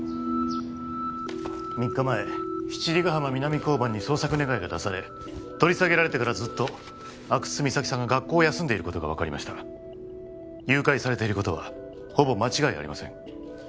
３日前七里ヶ浜南交番に捜索願が出され取り下げられてからずっと阿久津実咲さんが学校を休んでいることが分かりました誘拐されていることはほぼ間違いありません